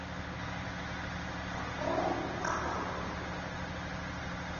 Εκείνη έκλαιγε.